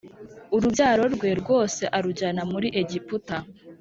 Urubyaro rwe rwose arujyana muri Egiputa